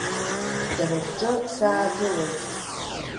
Шәара шәҿы саагылоит!